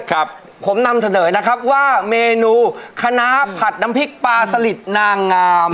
ครับผมนำเสนอนะครับว่าเมนูคณะผัดน้ำพริกปลาสลิดนางงาม